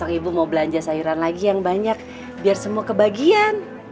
kalau ibu mau belanja sayuran lagi yang banyak biar semua kebagian